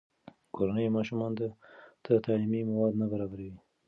کورنۍ ماشومانو ته تعلیمي مواد نه برابروي.